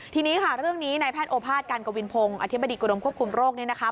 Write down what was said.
ทีนี้ค่ะเรื่องนี้ในแพทย์โอภาษการกวินพงศ์อธิบดีกรมควบคุมโรคนี้นะคะ